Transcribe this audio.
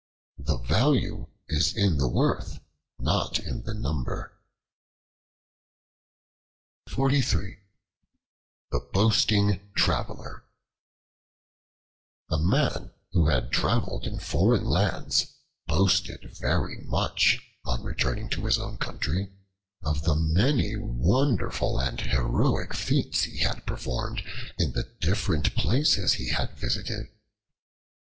The value is in the worth, not in the number. The Boasting Traveler A MAN who had traveled in foreign lands boasted very much, on returning to his own country, of the many wonderful and heroic feats he had performed in the different places he had visited.